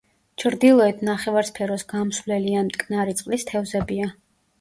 ჩრდილოეთ ნახევარსფეროს გამსვლელი ან მტკნარი წყლის თევზებია.